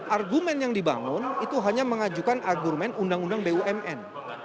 argumen yang dibangun itu hanya mengajukan argumen undang undang bumn